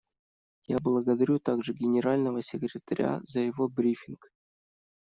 Я благодарю также Генерального секретаря за его брифинг.